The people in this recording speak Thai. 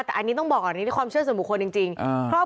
อ่ะแต่อันนี้ต้องบอกอันนี้ความเชื่อสมบูรณ์คนจริงจริงอ่า